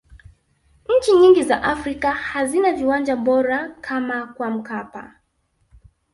nchi nyingi za afrika hazina viwanja bora kama kwa mkapa